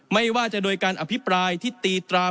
ไม่ว่าจะโดยการอภิปรายที่ตีตรา